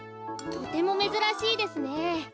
とてもめずらしいですね。